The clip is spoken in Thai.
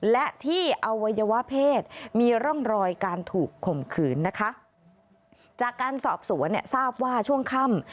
และที่อวัยวะเพศมีร่องรอยการถูกข่มขืนนะคะจากการสอบสวนเนี่ยทราบว่าช่วงค่ำ